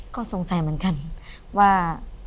ก็สงสัยเหมือนกันว่า